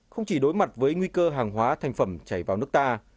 không chỉ đối mặt với nguy cơ hàng hóa thành phẩm chảy vào nước ta